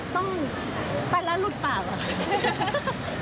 ต้องปัดละหลุดปากหรือครับ